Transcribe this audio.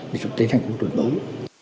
để trở thành một đối bối